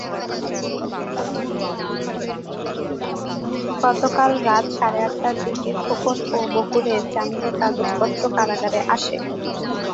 গতকাল রাত সাড়ে আটটার দিকে খোকন ও বকুলের জামিনের কাগজপত্র কারাগারে আসে।